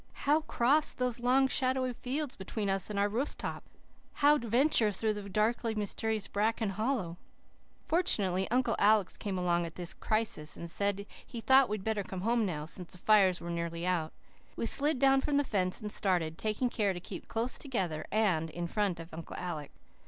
How cross those long, shadowy fields between us and our rooftree? How venture through the darkly mysterious bracken hollow? Fortunately, Uncle Alec came along at this crisis and said he thought we'd better come home now, since the fires were nearly out. We slid down from the fence and started, taking care to keep close together and in front of Uncle Alec.